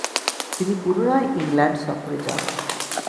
তিনি পুনরায় ইংল্যান্ড সফরে যান।